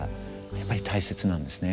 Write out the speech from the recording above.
やっぱり大切なんですね。